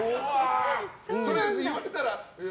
それ言われたら。